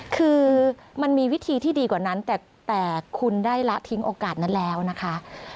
คือมันมีวิธีที่ดีกว่านั้นแต่คุณได้ละทิ้งโอกาสนั้นแล้วนะคะ